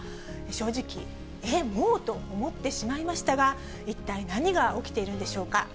正直、えっ、もう？と思ってしまいましたが、一体何が起きているんでしょうか。